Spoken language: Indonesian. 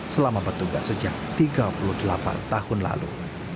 selama bertugas sejak tiga puluh delapan tahun lalu